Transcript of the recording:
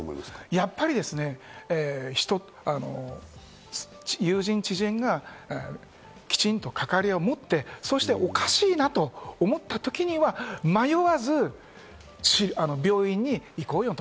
やっぱり友人・知人がきちんと関わりを持って、おかしいなと思った時には迷わず病院に行こうよと。